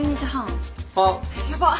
やばっ！